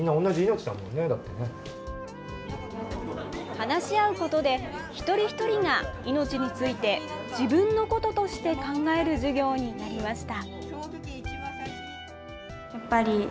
話し合うことで一人一人が命について自分のこととして考える授業になりました。